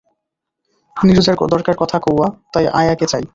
নীরজার দরকার কথা কওয়া, তাই আয়াকে চাই।